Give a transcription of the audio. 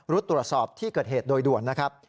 ตรวจสอบที่เกิดเหตุโดยด่วนนะครับ